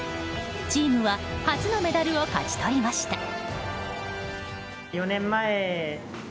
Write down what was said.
チームは初のメダルを勝ち取りました。